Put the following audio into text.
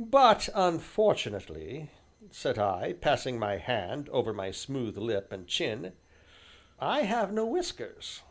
"But, unfortunately," said I, passing my hand over my smooth lips and chin, "I have no whiskers."